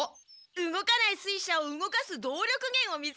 動かない水車を動かす動力源を見つけたんだ。